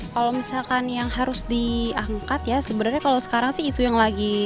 kalau misalkan yang harus diangkat ya sebenarnya kalau sekarang sih isu yang lagi